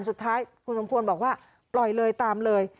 สุดท้ายคุณสมควรบอกว่าปล่อยเลยตามเลย